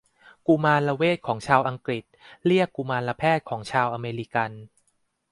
กุมารเวชของชาวอังกฤษเรียกกุมารแพทย์ของชาวอเมริกัน